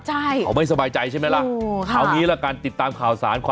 ใช่เขาไม่สบายใจใช่ไหมละ